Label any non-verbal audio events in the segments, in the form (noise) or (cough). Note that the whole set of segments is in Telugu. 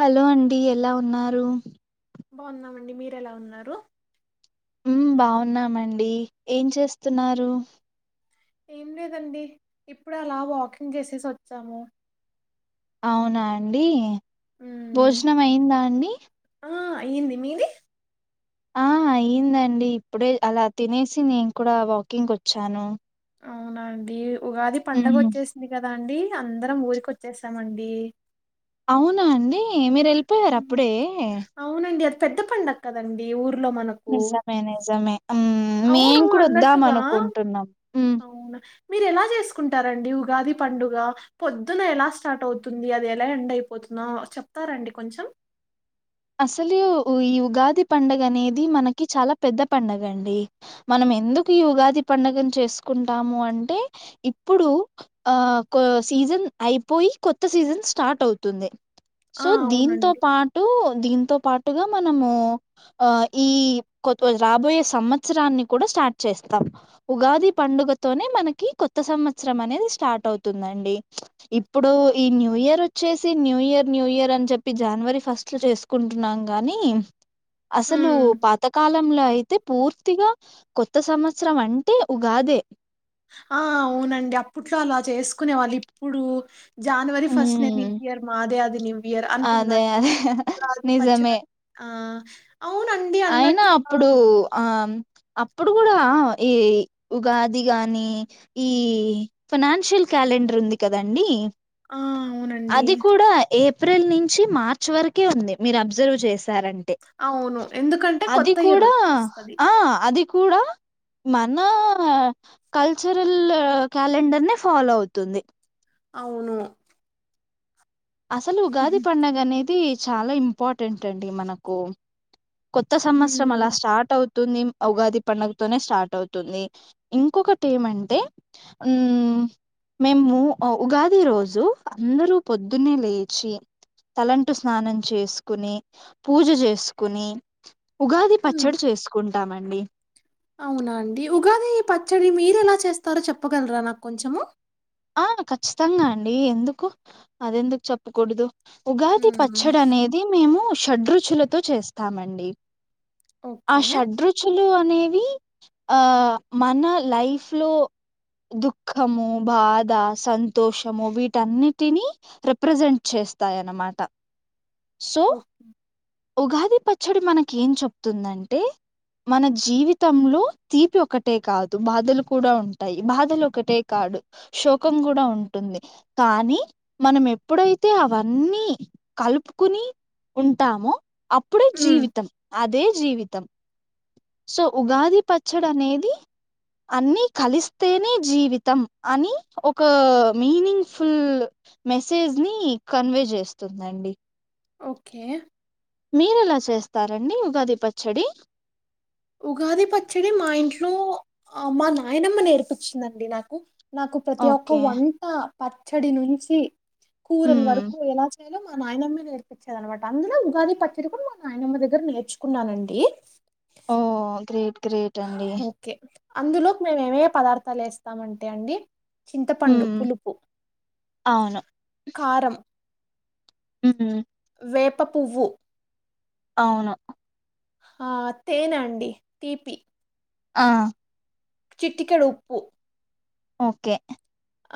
హలో అండి ఎలా ఉన్నారు? బాగున్నామండి మీరు ఎలా ఉన్నారు? ఊమ్ బాగున్నామండి ఏం చేస్తున్నారు? ఏం లేదండి ఇప్పుడు అలా వాకింగ్ చేసేసి ఒచ్చాము. అవునా అండి మ్మ్ భోజనం అయిందా అండి? ఆ అయ్యింది మీది? ఆ అయిందండి ఇప్పుడే అలా తినేసి నేను కూడా వాకింగ్ కొచ్చాను. అవునండి ఉగాది పండగ మ్మ్ వచ్చేసింది కదా అండి అందరం ఊరిక్ వచ్చేసామండి అవునా అండి మీరెల్ పోయారా మ్మ్. అప్పుడే అవునండి అది పెద్ద పండక్ కదండి ఊర్ నిజమే నిజమే హామ్ అవును మేం కూడా వద్దాం అన్నట్టుగా అనుకుంటున్నాం మ్ అవునా మీరు ఎలా చేసుకుంటారండి ఉగాది పండుగ, పొద్దున ఎలా స్టార్ట్ అవుతుంది, అది ఎలా ఎండ్ అయిపోతుందో చెప్తారండి కొంచెం. అసలు ఈ ఉగాది పండుగ అనేది మనకి చాలా పెద్ద పండుగ అండి, మనం ఎందుకు ఈ ఉగాది పండుగను చేసుకుంటాము అంటే, ఇప్పుడు ఆ కొ సీజన్ అయిపోయి కొత్త సీజన్ స్టార్ట్ అవుతుంది. ఆ సో దీంతో అవునండి పాటు దీంతో పాటుగా మనము ఆ ఈ కొ రాబోయే సంవత్సరాన్ని కూడా స్టార్ట్ చేస్తాం, ఉగాది పండుగతోనే మనకి కొత్త సంవత్సరం అనేది స్టార్ట్ అవుతుందండి. ఇప్పుడు ఈ న్యూ ఇయర్ వచ్చేసి న్యూ ఇయర్, న్యూ ఇయర్ అని చెప్పి జానవరి ఫస్ట్ లో చేస్. కుంటున్నాం గాని అసలు మ్మ్ పాతకాల్ లం లా అయితే పూర్తిగా కొత్త సంవత్సరం అంటే ఉగాదే ఆ అవునండి అప్పట్లో అలా చేసుకునే వాళ్ళు ఇప్పుడు జనవరి ఫస్ట్ న న్యూ ఉమ్ ఇయర్ మాదే, అది న్యూ ఇయర్ అదే అంటున్నారు అదే నిజమే ఆ అవునండి అయినా అన్నట్టు ఆ అప్పుడు ఆ అప్పుడు కూడా ఈ ఉగాది గాని ఈ ఫినాన్షియల్ క్యాలెండర్ ఉంది కదండి ఆ, అవునండి అది కూడా ఏ ఏప్రిల్ నుంచి మార్చ్ వరకే ఉంది మీరు అబ్జర్వ్ చేశారం అవును ఎందుకంటే అది కొత్త ఇయర్ కూడా వస్తది ఆ అది కూడా మన కల్చరల్ క్యాలెండర్ ని ఫాలో అవుతుంది అవును అసలు గాది పండగనేది చాలా ఇంపార్టెంట్ అండి మనకు కొత్త సంవత్సరం అలా ఉమ్, స్టార్ట్ అవు తుంది ఉగాది పండుగతోనే స్టార్ట్ అవుతుంది ఇంకొకటి ఏమంటే ఉ మేము ఉగాది రోజు అందరూ పొద్దున్నే లేచి తలంటు స్నానం చేసుకుని పూజ చేసుకుని ఉగాది ఉమ్, పచ్చడి చేసుకోండి ఉంటామండి చ్చడి మీరు ఎలా చేస్తారో చెప్పగలరా నాకు కొంచెము ఆ ఖచ్చితంగా అండి ఎందుకు అది ఎందుకు చెప్పకూడదు ఉగాది ఉమ్, పచ్చడి అనేది మేము షడ్రుచులతో చేస్తాం అండి ఆ ఓకే షడ్రుచుల్ లు అనేవి ఆ మన లైఫ్ లో దుఃఖము భా ద సంతోషము వీటన్నిటినీ రెప్రజెంట్ చేస్తాయ్ అనమాట సో ఓ ఉగాది పచ్చడి మనకి ఏం చెప్తుందంటే, మన జీవితంలో తీపి ఒకటే కాదు, బాధలు కూడా ఉంటాయి, బాధలు ఒకటే కాడు శోకం కూడా ఉంటుంది. కానీ, మనం ఎప్పుడైతే అవన్నీ కలుపుకుని ఉంటామో అప్పుడే ఉమ్, జీవితం. అదే జీవితం. సో ఉగాది పచ్చడి అనేది అన్నీ కలిస్తేనే జీవితం అనీ ఒకా మీనింగ్ ఫుల్ మెసేజ్ నీ కన్వే చేస్తుందండి. ఓకే మీరెలా చేస్తారండి ఉగాది పచ్చడి. ఉగాది పచ్చడి మా ఇంట్లో ఆ మా నాయనమ్మ నేర్పించిందండి నాకు. నాకు ప్రతి ఒక్క ఓకే వంటా పచ్చడి నుంచీ కూరల్ హ్మ్ వారకూ ఎలా చే లో మా నాయనమ్మే నేర్పిచ్చేది అనమాట. అందులో ఉగాది పచ్చడి కూడా మా నాయనమ్మ దగ్గర నేర్చుకున్నానండీ. ఓ గ్రేట్ గ్రేట్ అండీ. అందులోక్ మేమ్ ఏమే పదార్థాలు వేస్తాం అంటే అండి. చింతపండు హ్మ్ పులుపు, అవును కారం ఉఊ వేప పువ్వు అవును ఆ తేనా అండి. తీపి ఆ చిట్టికెడు ఉప్పు. ఓకే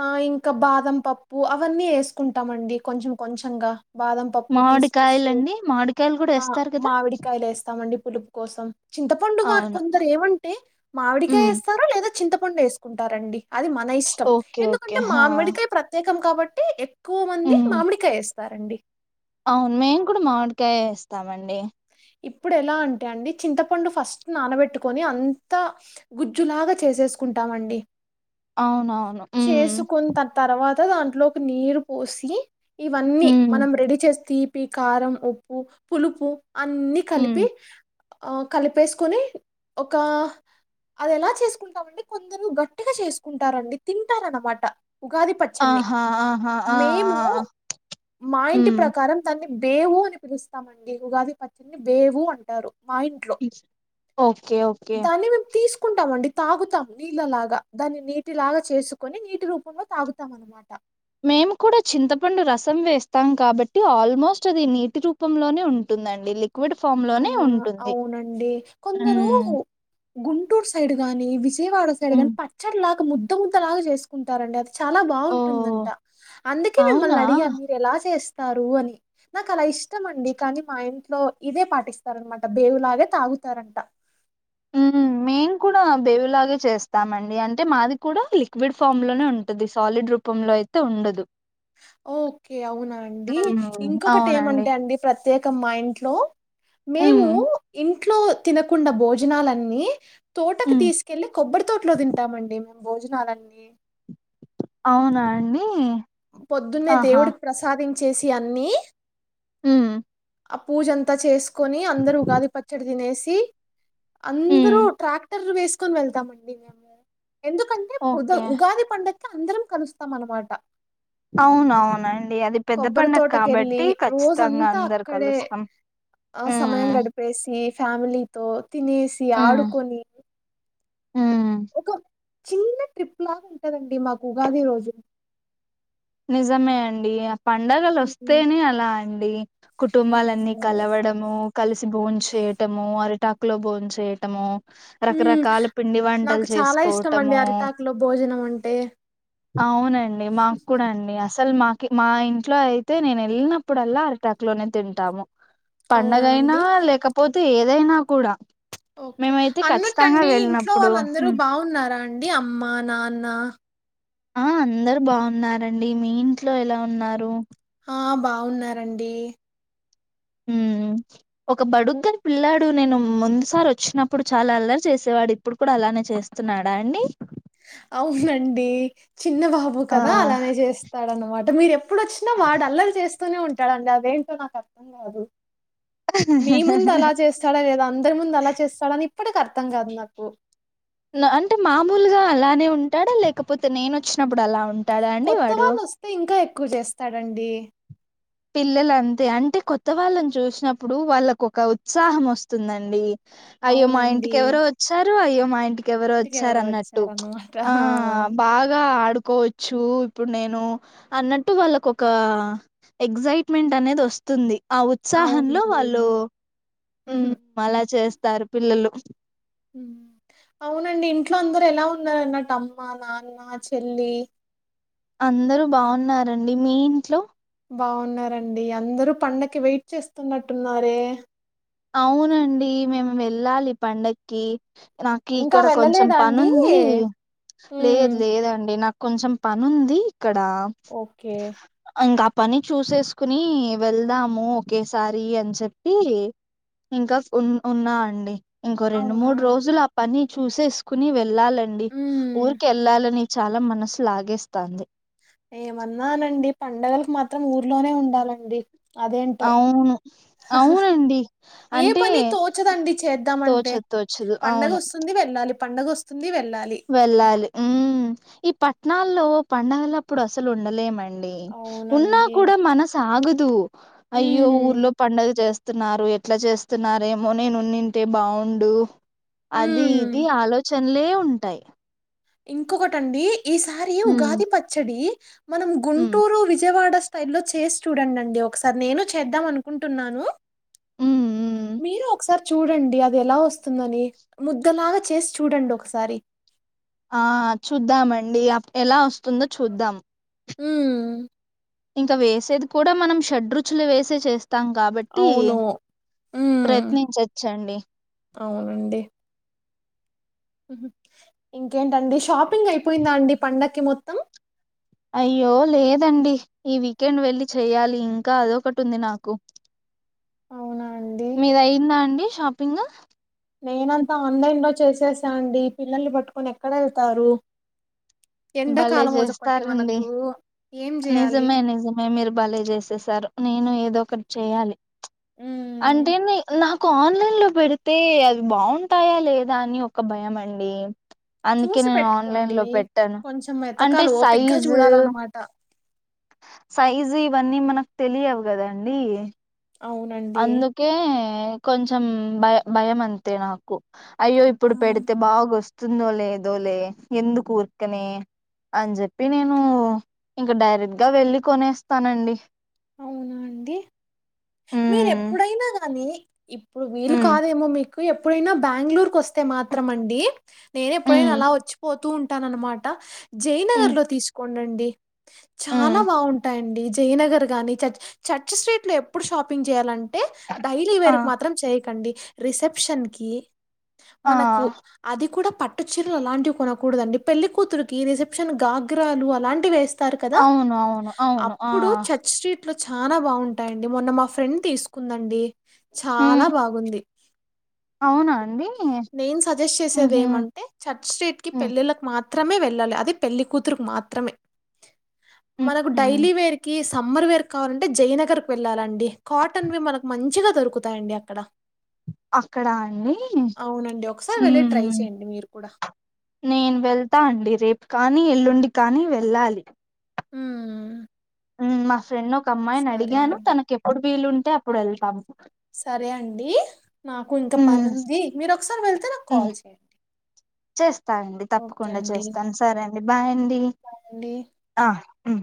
ఆ ఇంకా బాదం పప్పు అవన్నీ వేసుకుంటాం అండి కొంచెం కొంచెంగా. బాదం పప్పు, కిస్మిసూ. మామిడికాయలండి మామిడికాయలు కూడా ఆ ఏస్తారు కదా మామిడికాయల్ ఏస్తామండి. పులుపు కోసం చింతపండు అవును కొందరు ఏమంటే మామిడికాయ హ్మ్ వేస్తారా లేదా చింతపండు ఏసుకుంటారండి అది మన ఓకే ఓకే ఎందుకొంటె హా మామ్మిడికాయ్ ప్రత్యేకం కాబట్ ట్టి ఎక్ క్కువ మందీ మామిడికాయ ఎస్ స్తారండి. అవున్ మేము కూడా మామిడికాయే ఏస్తామండీ. ఇప్పుడు ఎలా అంటే అండి చింతపండు ఫస్ట్ నానబెట్టుకొని అంతా గుజ్జులాగా చేసేసుకుంటామండి. అవునవును హ్మ్ చేసుకున్ తాన్ తర్వాత్ తా. దాంట్లో ఒక నీరు పోసీ ఇవన్నీ మనం హ్మ్ రెడీ చేస్ తీ ప్పి కారం ఉప్పు పులుపు అన్నీ హ్మ్ కలిపి ఆ కలిపేసుకొని ఒక అది ఎలా చేసుకుంటామండి కొందరు గట్టిగా చేసుకున్ టారండి తింటారు అనమాట ఉగాది పచ్చడిని ఆహా! ఆహా! ఆ! మేము ఆ! ఆ! మా ఇంటి హ్మ్ ప్రకారం దాన్ని దేవు అని పిలుస్తామండి ఉగాది పచ్చడిని దేవు అంటారు మా ఇంట్లో ఓకే ఓకే దాన్ని మేము తీస్ కుంటాం అండి తాగుతాం నీళ్ళలాగా దాన్ని నీ టి లాగా చేసుకొని నీటి రూపంలో తాగుతాం అనమాట మేము కూడా చింతపండు రసం వేస్తాం కాబట్టి ఆల్మోస్ట్ అది నీటి రూపంలోనే ఉంటుందన్ డి లిక్విడ్ ఫామ్ ఆ లోనే ఉంటుంది అవునండి కొందరు ఉమ్ గుంటూరు సైడ్ గాని వి జయవాడ సైడు హ్మ్. గానీ పచ్చడి లా ముద్ద ముద్దలాగా చేసుకుంటారండి అ చాలా బాగుంటుందంట ఓహ్! అందుకే అవునా? మిమ్మల్ని అడిగా మీరు ఎలా చేస్త స్తారు అని నాకు అలా ఇష్టం అండి కానీ మా ఇంట్లో ఇదే పాటిస్తారనమాట బేవులాగ తాగుతారంట ఊహు మేము కూడా బేవులాగే చేస్తామండి అంటే మాది కూడా లిక్విడ్ ఫామ్ లోనే ఉంటది సాలిడ్ రూపంలో అయితే ఉండదు ఓకే అవునా అండి హ్మ్. ఇంకొకటి అవునండి. ఏమంటే అండి ఫస్ట్ ప్రత్యేక మా ఇంట్లో హ్మ్. మేమూ ఇంత ఇంట్లో తినకుండా భోజనాలన్నీ తోటకి హ్మ్. తీసుకెల్లి కొబ్బరి తోటలో తింటామండి మేము భోజనాలన్నీ అవునా అండి పొద్దున్నే ఆహా! దేవుడికి ప్రసాదించ చేసి అన్నిీ మ్ ఆ పూజ అంతా చేసు కొని అందరు ఉగాది పచ్చడి తినేసి ఉ హ్మ్. అందరూ ట్రాక్టర్లు వేసుకొని వెళ్తామండి మేము ఎందుకంటే ఉద ఓకే. ఉగాది పండగ క అందరం కలుస్తాం అనమాట అవునవునండి అది పెద్ద కొబ్బరి పండుగ కాబట్టి ఖచ్చితంగా అందరు క్కడే ఆ సమయం గడిపేసి ఫ్యామిలీతో తినేసి హ్మ్. ఆడుకొని హ్మ్. ఎకో చిన్న ట్రిప్ లాగా ఉంటదండి మాకు ఉగాది రోజు నిజమే అండి ఆ పండగలు వస్తేనే అలా అండి కుటుంబాలన్నీ అవునవును కలవడము కలిసి భోన్ చేయటము అరిటాకు లో బోన్ చేయటము ఉమ్ రకరకాల పిండి వంటలు నాకు చాలా ఇష్టం అండి చేసుకోవటము అరిటాకులో భోజనం అంటే అవునండి మా అండి అసలు మాకి మా ఇంట్లో అయితే నేను ఎళ్ళినప్పుడల్లా అరిటాకు లోనే తింటాము అవునా పండగైనా అండి లేకపో తే ఏదైనా కూడా ఓకే మేమైతే ఖచ్చితంగా అన్నట్టండి ఇంట్లో వెళ్ళినప్పుడు వాళ్ళందరూ హ్మ్. బావున్నారా అండి అమ్మ నాన్న ఆ అందరు బావున్నారండి మీ ఇంట్లో ఎలా ఉన్నారు ఆ బాగున్నారండి ఉమ్ ఒక బడుద్దాయ్ పిల్లాడు నేను ముందుసారి వచ్చినప్పుడు చాలా అల్లరి చేసేవాడు, ఇప్పుడు కూడా అలానే చేస్తున్నాడా అండి. అవునండి చిన్న బాబు ఆ కదా అలానే చేస్తాడన్నమా ట మీరు ఎ ప్పుడు వచ్చినా వాడు అల్లరి చేస్ తూనే ఉంటాడు అండి అదేంటో నాకు అర్థం కాదు మీ ముందు అలా చేస్తాడా లేదా అందరి ముందు అలా చేస్తాడని ఇప్పటికి అర్థం కాదు నాకు న అంటే మామూలుగా అలానే ఉంటాడా లేకపోతే నేను వచ్చినప్పుడు అలా ఉంటాడా అండి కొత్త వాడు వాళ్ళు వస్తే ఇంకా ఎ క్కువ చేస్తాడు అండి పిల్లలంతే అంటే కొత్త వాళ్ళని చూసినప్పుడు వాళ్ళకు ఒక ఉత్సాహం వస్తుందండి అయ్యో మా ఇంటికి అవునండి ఎవరో వచ్చారు అయ్యో మాఇంటి కి ఎవరో వచ్చారన్నట్టు ఆ బాగా ఆడుకోవచ్చు ఇప్పుడు నేను అన్నట్టు వాళ్ళకు ఒక ఎగ్జైట్మెంట్ అనేది వస్తుంది ఆ ఉత్సాహంలో వాళ్ళు ఉహూ హ్మ్ అలా చేస్తారు పిల్లలు అవునండి ఇంట్లో అందరూ ఎలా ఉన్నారు అన్నట్టు అమ్మ నాన్న చెల్లి అందరూ బావున్నారండి మీ ఇంట్లో బావున్నారండి, అందరూ పండక్కి వెయిట్ చేస్తున్నట్టున్నారే? అవునండి, మేము వెళ్ళాలి పండక్కి. నాకి ఇంకా ఇక్కడ కొంచెం వెళ్ళలేదా పని అండి? ఉంది, హ్మ్. లేదు లేదండి నాక్ కొంచెం పను ఉంది అక్కడా ఓకే. అంగ పని చూసేసుకుని వెళ్దాము ఒకేసారి అని చెప్పి ఇంకా ఉ ఉన్నా అండి ఇంకో రెండు అవునా మూడు అండి. రోజులు ఆ పని చూసేసుకుని వెల్ వెళ్ళాలండి హ్మ్. ఊరికి వెళ్ళాలని చాలా మనసు లాగేస్తంది ఏమన్నానండి పండగలకు మాత్రం ఊర్లోనే ఉండాలండి అదేంటో. అవును అవునండి ఏ అంటే పని తోచదండి చేద్దామంటే. తోచదు తోచదు అవును పండుగ వస్తుంది వే వెళ్ళాలి ఉ ఈ పట్నా ఓ పండుగల అప్పుడు అసలు ఉండలే మ ఉన్నా అవునండి. కూడా మన సాగ (inaudible) అయ్యో హ్మ్. ఊర్లో పండగ చేస్ స్తున్నారు ఎట్లా చేస్తున్నారేమో నేనుంటే బాగుండు అది హ్మ్. ఇది ఆలోచ చల్లే టై ఇంకొకటండి ఈసారి ఉమ్ ఉగాది పచ్చడి మనం ఉమ్ గుంటూరు విజయవాడ స్టై లో చేసి చూడండి అండి ఒకసారి నేను చేద్దాం అనుకుంటున్నాను ఉమ్ ఉమ్ మీరు ఒకసారి చూడండి అది ఎలా వస్తుందని ముద్ద్దలాగా చేసి చూడండి ఒకసారి ఆ చూద్దామండి ఎలా వస్తుందో చూద్దాం ఉం ఇంకా వేసేది కూడా మనం షడ్రుచులు వేసే చే స్తాం కాబట్టి అవును ఉమ్, ప్రయత్నించచ్చండి అవునండి ఇంకేంటండి షాపింగ్ అయిపోయిందా అండి పండగకి మొత్తం అయ్యో లేదండి ఈ వీకెండ్ వెళ్లి చెయ్యాలి ఇంకా అదొకటి ఉంది నాకు అవునా అండి మీద అయిందా అండి హ్యా ఇంగ నేనంతా ఆన్లైన్ లో చేసేసా అండి పిల్లల్ని పట్టుకొని ఎక్కడెళ్తారు భలే చేస్తారండి ఏం చేయాలి నిజమే నిజమే మీరు బలే చేసేసారు నేను ఏదో ఏదొ ఒకటి చేయాలి ఉమ్. అంటే ని నా ఆన్లైన్ లో పెడితే అది బాగుంటాయా లేదా అని ఒక భయం అండి అందుకే చూసి నేను ఆన్లైన్ పెట్టుకోండి లో పెట్ట కొంచెం ఎతకాల ఓపిక్గా చూడాలన్నమాట సైజు ఇవన్నీ మనకు తెలియవు కదండి అవునండి అందుకే కొంచం భయ భయం అంతే నాకు అయ్యో ఇప్పుడు అవును. పెడితే బాగస్తు వస్తుందో లేదో లే ఎందు ఊర్కనే అని చెప్పి నేను ఇంక డైరెక్ట్గా వెళ్ళి కొనేస్తానండి అవునా అండి మీరు ఉమ్ ఎప్పుడైనా గానీ ఇప్పుడు వీలు ఉమ్ కాదేమో మీకు నువ్ ఎప్పుడైనా బాంగళూరు కోస్ తే మాత్రం అండి నేను ఎప్పుడైనా ఉమ్ అలా వచ్చిపోతూ ఉం టాన అనమాట జయనగర్ ఉమ్ లో తీసుకోండ్ అండి ఉమ్ చాలా బాగుంటాయండి జయనగర్ గాని చర్చ్ చర్చ్ స్ట్రీట్ లో ఎప్ప ఎప్పుడు షాపింగ్ చేయాల కే డైలీ ఆ వేర్ కి మాత్రం చేయియకండి రిసెప్షన్కి ఆ మనకు అది కూడా పట్టు చీరలు అలాంటివి కొనకూడదండి పెళ్లి కూతురుకి రిసెప్షన్ గాఘ్రాలు అలాంటివి వేస్త తారు కదా అవును అవును అవును ఆ అప్పుడు చర్చ్ స్ట్రీట్ ఇట్లో చాలా బాగుంటాయిడి ది మొన్న మా ఫ్రెండ్ తీసుకుందండి చాలా ఉమ్ బాగుంది అవునా అండి నేను సజెస్ట్ చేసేది ఉహు ఏమంటే చర్చ్ స్ట్రీట్ కి ఉమ్ పెళ్ళిళ్లకు మాత్రం మాత్రమే వెళ్ళాలి అదే పెళ్లికూతురుకి మాత్రమే ఉమ్ మనకు ఉమ్. డైలీ వేర్కి సమ్మర్ వేర్ కావాలంటే జయనగర్ వెళ్ళాలండి కాటన్వి మనకు మంచిగా దొరుకుతాయండి అక్కడ అక్కడా అండి అవునండి ఒకసారి వెళ్ళి ట్రై మ్మ, చేయండి మీరు కూడా నేను వెళ్తా అండి రేపు కానీ ఎల్లు ండి కాని వెళ్ళాలి మ్మ్ మ్మ్ మా ఫ్రెండ్ ఓ క అమ్మాయిని అడిగాను, అండి తనకెప్పుడు వీలున్ టె అప్పుడు యెల్తము. సరే అండి, నాకు ఇంకా ఉమ్ పనుంది. మీరు ఒకసారి వెళ్తే నాకు కాల్ చేయండి. చేస్ స్తా అండి, ఓకే తప్పకుండా అండి చేస్తాను. సరే అన్ బాయ్ అన్ బాయ్ అండి ఆ ఉమ్